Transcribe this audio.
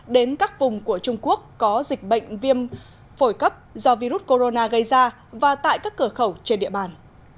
đến các vùng của trung quốc có dịch bệnh viêm phổi cấp do virus corona gây ra và tại các cửa khẩu trên địa bàn